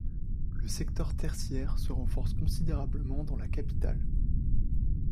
Le secteur tertiaire se renforce considérablement dans la capitale.